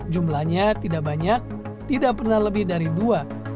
jumlahnya tidak banyak tidak pernah lebih dari dua